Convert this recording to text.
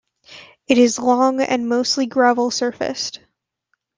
It is long and mostly gravel-surfaced.